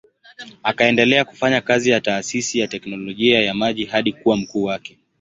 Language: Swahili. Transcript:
Akaendelea kufanya kazi ya taasisi ya teknolojia ya maji hadi kuwa mkuu wake.